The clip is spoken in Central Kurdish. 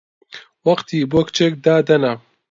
وەختی بۆ کچێک دادەنا!